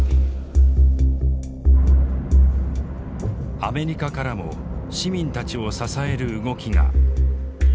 アメリカからも市民たちを支える動きが。